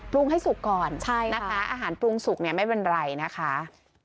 ปรุงให้สุกก่อนอาหารปรุงสุกไม่เป็นไรนะคะ